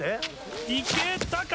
行けたか？